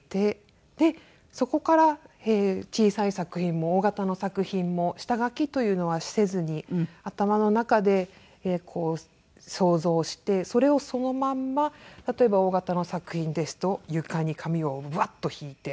でそこから小さい作品も大型の作品も下描きというのはせずに頭の中でこう想像をしてそれをそのまんま例えば大型の作品ですと床に紙をバッと敷いて。